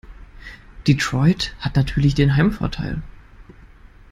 Detroit hat natürlich den Heimvorteil.